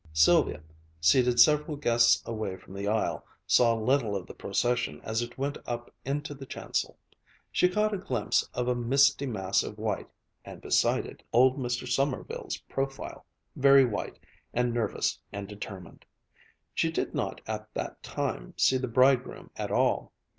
Sylvia, seated several guests away from the aisle, saw little of the procession as it went up into the chancel. She caught a glimpse of a misty mass of white and, beside it, old Mr. Sommerville's profile, very white and nervous and determined. She did not at that time see the bridegroom at all.